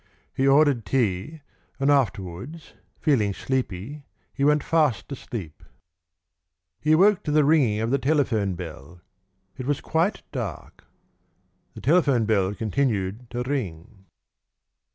He ordered tea, and afterwards, feeling sleepy, he went fast asleep. He awoke to the ringing of the telephone bell. It was quite dark. The telephone bell continued to ring.